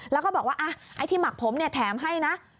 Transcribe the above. แล้วก็บอกว่าไอ้ที่หมักผมเนี่ยแถมให้นะ